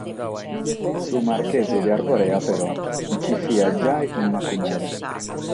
Su marchesu de Arborea però nche fiat giai in Macumere.